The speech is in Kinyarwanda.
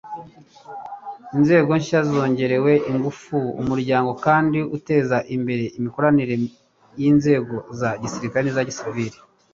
Inzego nshya zongerewe ingufu, Umuryango kandi uteza imbere imikoranire y'inzego za gisirikare n'iza gisivile.